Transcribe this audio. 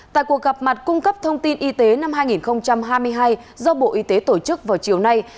tại cuộc gặp mặt cung cấp thông tin y tế năm hai nghìn hai mươi hai do bộ y tế tổ chức vào chiều nay